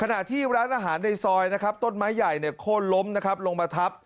ขณะที่ร้านอาหารในซอยนะครับต้นไม้ใหญ่โค้นล้มนะครับลงมาทับ